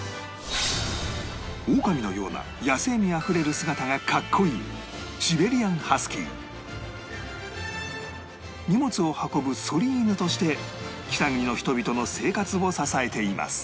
オオカミのような野生味あふれる姿がかっこいい荷物を運ぶそり犬として北国の人々の生活を支えています